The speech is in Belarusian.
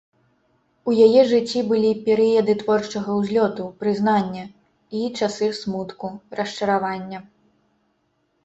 У яе жыцці былі перыяды творчага ўзлёту, прызнання і часы смутку, расчаравання.